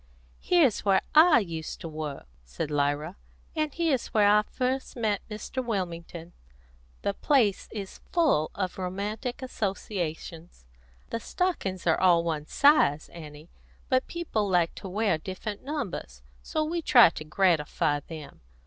"Here's where I used to work," said Lyra, "and here's where I first met Mr. Wilmington. The place is full of romantic associations. The stockings are all one size, Annie; but people like to wear different numbers, and so we try to gratify them.